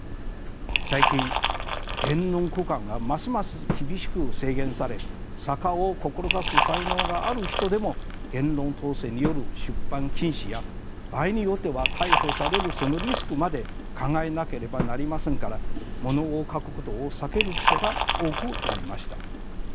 最近言論空間がますます厳しく制限され作家を志す才能がある人でも言論統制による出版禁止や場合によっては逮捕されるそのリスクまで考えなければなりませんからものを書くことを避ける人が多くなりました。